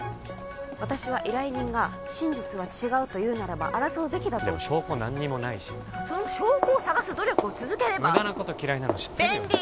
私は依頼人が真実は違うと言うならば争うべきだとでも証拠何にもないしだからその証拠をさがす努力を続ければ無駄なこと嫌いなの知ってるよね